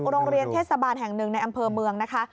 โรงเรียนเทศบาลแห่งหนึ่งในอำเภอเมืองนะคะ